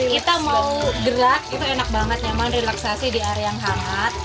kita mau gerak itu enak banget nyaman relaksasi di area yang hangat